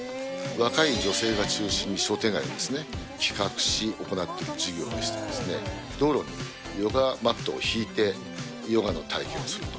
若い女性が中心に商店街をですね、企画し、行ってる事業でしてですね、道路にヨガマットを敷いて、ヨガの体験をすると。